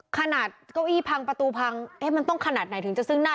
เก้าอี้พังประตูพังมันต้องขนาดไหนถึงจะซึ่งหน้า